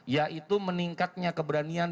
yaitu meningkatnya keberanian